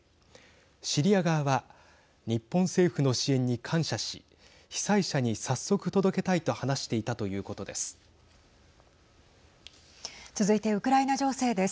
シリア側は日本政府の支援に感謝し被災者に早速届けたいと話していたということです。